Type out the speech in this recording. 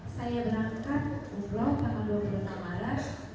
saya berangkat di umbroh pada bulan dua puluh enam maret